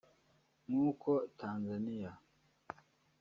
nk’uko Tanzania